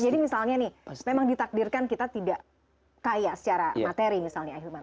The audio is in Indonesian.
jadi misalnya nih memang ditakdirkan kita tidak kaya secara materi misalnya ahilman